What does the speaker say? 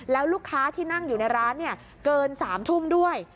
แล้วลูกค้าที่นั่งอยู่ในร้านเกิน๓ทุ่มด้วย